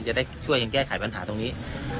จะได้ช่วยกันแก้ไขปัญหาตรงนี้